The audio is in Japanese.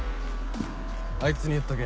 あいつに言っとけ。